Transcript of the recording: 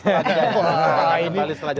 ini paling paling selajar